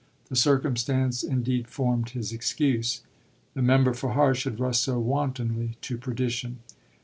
This circumstance indeed formed his excuse: the member for Harsh had rushed so wantonly to perdition.